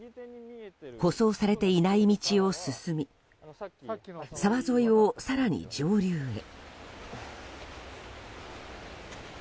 舗装されていない道を進み沢沿いを更に上流へ。